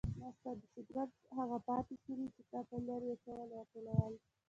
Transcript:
ما ستا د سګرټ هغه پاتې شوني چې تا به لرې اچول راټولول.